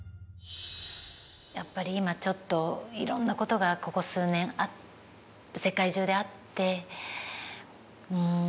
やっぱり今ちょっといろんなことがここ数年世界中であって。